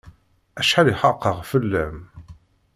Acḥal i xaqeɣ fell-am!